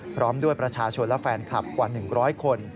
พร้อมด้วยประชาชนและแฟนคลับกว่า๑๐๐คน